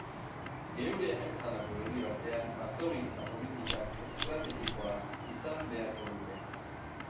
Geurea bezalako herri batean basogintza politikak estrategikoa izan beharko luke.